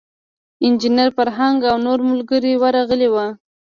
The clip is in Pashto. انجینیر فرهنګ او نور ملګري ورغلي وو.